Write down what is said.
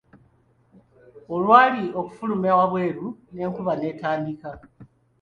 Olwali okufuluma wabweru, n'enkuba n'etandika.